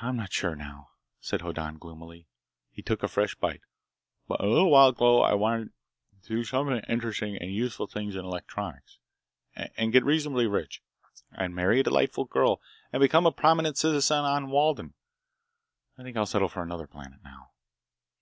"I'm not sure now," said Hoddan gloomily. He took a fresh bite. "But a little while ago I wanted to do some interesting and useful things in electronics, and get reasonably rich, and marry a delightful girl, and become a prominent citizen on Walden. I think I'll settle for another planet, now."